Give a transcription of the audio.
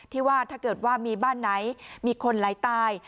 ที่ว่าถ้าเกิดว่ามีบ้านไหนมีคนไหลตาย